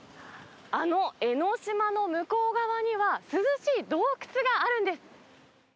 あの江の島の向こう側には、涼しい洞窟があるんです。